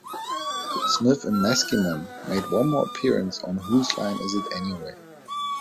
Smith and Meskimen made one more appearance on Whose Line Is It Anyway?